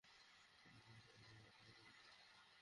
এতে কাজ হচ্ছে।